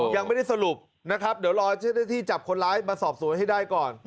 ยังไม่ได้สรุปนะครับเดี๋ยวรอเจ้าหน้าที่จับคนร้ายมาสอบสวนให้ได้ก่อน